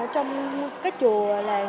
trong các chùa làng